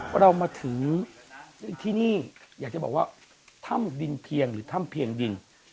เรามาถึงที่นี่อยากจะบอกว่าถ้ำดินเพียงหรือถ้ำเพียงดิน